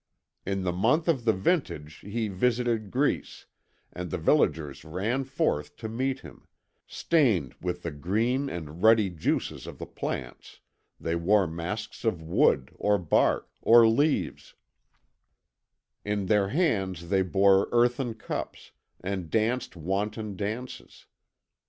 In the month of the Vintage he visited Greece, and the villagers ran forth to meet him, stained with the green and ruddy juices of the plants, they wore masks of wood, or bark, or leaves; in their hands they bore earthen cups, and danced wanton dances.